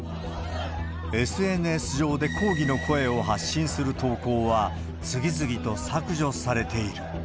ＳＮＳ上で抗議の声を発信する投稿は、次々と削除されている。